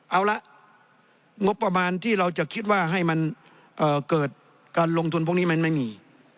เอาละงบประมาณที่เราจะคิดว่าให้มันเกิดการลงทุนพวกนี้มันไม่มี